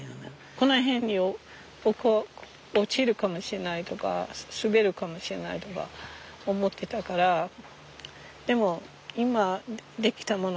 この辺に落ちるかもしれないとか滑るかもしれないとか思ってたからでも今出来たもの